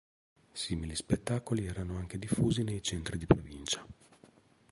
Simili spettacoli erano anche diffusi nei centri di provincia.